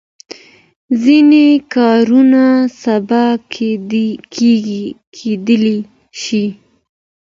ځینې کارونه سبا کېدای شي.